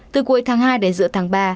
từ cuối tháng hai đến giữa tháng ba